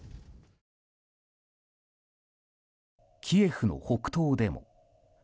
キエフの北東でも。